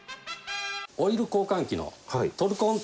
オイル交換機のトルコン